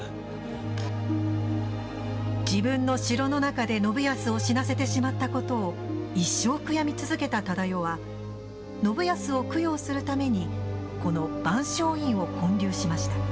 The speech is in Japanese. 自分の城の中で信康を死なせてしまったことを一生悔やみ続けた忠世は信康を供養するためにこの萬松院を建立しました。